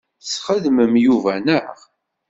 Tesxedmem Yuba, naɣ?